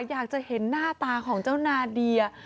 อยากจะเห็นหน้าตาของเจ้านาเดีย